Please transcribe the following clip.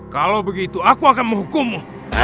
kalau begitu aku akan menghukummu